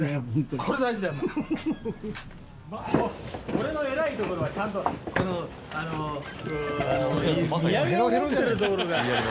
俺の偉いところはちゃんとこのあの土産を持ってるところが偉いんだよ。